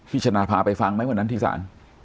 พี่ชนาภาไปฟังไหมวันนั้นที่สาธารณี